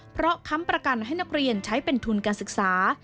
เพราะค้ำประกันให้นักเรียนใช้เป็นทุนการศึกษา